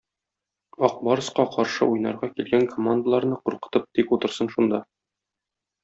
"Ак барска" каршы уйнарга килгән командаларны куркытып тик утырсын шунда.